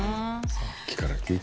さっきから聞い